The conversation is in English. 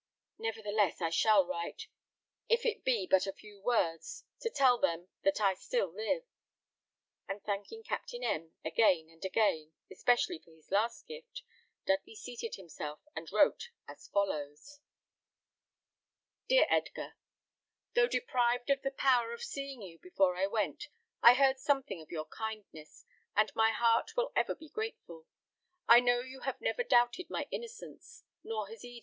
"Nevertheless, I will write, if it be but a few words, to tell them that I still live;" and thanking Captain M again and again, especially for his last gift, Dudley seated himself, and wrote as follows: "Dear Edgar, "Though deprived of the power of seeing you before I went, I heard something of your kindness, and my heart will ever be grateful. I know you have never doubted my innocence, nor has Eda.